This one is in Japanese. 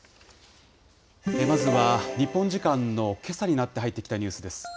まずは、日本時間のけさになって入ってきたニュースです。